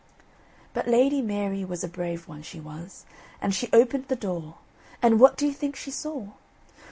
But Lady Mary was a brave one, she was, and she opened the door, and what do you think she saw?